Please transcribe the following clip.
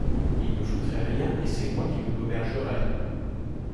Il ne foutrait rien, et c’est moi qui le gobergerais !...